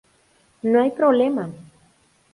No hay problema".